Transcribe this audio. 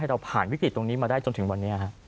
ให้เราผ่านวิกฤตตรงนี้มาได้จนถึงวันนี้นะครับ